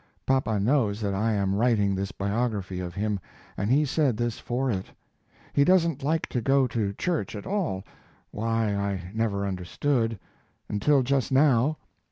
(Papa knows that I am writing this biography of him, and he said this for it.) He doesn't like to go to church at all, why I never understood, until just now.